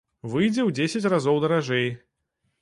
Выйдзе ў дзесяць разоў даражэй.